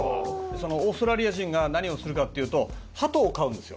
そのオーストラリア人が何をするかっていうとハトを飼うんですよ。